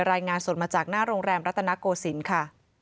รายงานสดมาจากหน้าโรงแรมรัตนโกศิลป์ค่ะ